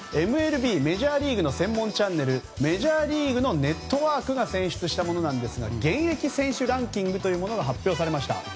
ＭＬＢメジャーリーグの専門チャンネルメジャーリーグのネットワークが選出したものですが現役選手ランキングというものが発表されました。